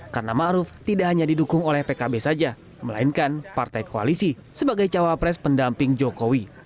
karena maruf tidak hanya didukung oleh pkb saja melainkan partai koalisi sebagai cawapres pendamping jokowi